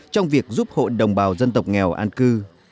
trong việc giúp hộ đồng bào dân tộc nghèo an cư